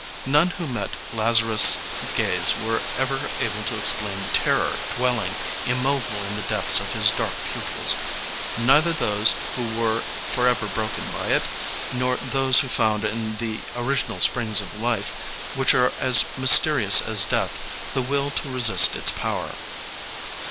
None who met Lazarus* gaze were ever able to explain the terror dwelling immobile in the depths of his dark pupils — ^neither those. who were forever broken by it, nor those who found in the original springs of life, LEONID ANDREYEV 13 which are as mysterious as death, the will to resist its power.